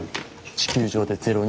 地球上で０人説。